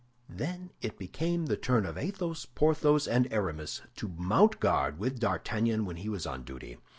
Then it became the turn of Athos, Porthos, and Aramis to mount guard with D'Artagnan when he was on duty.